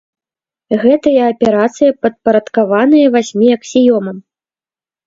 Гэтыя аперацыі падпарадкаваныя васьмі аксіёмам.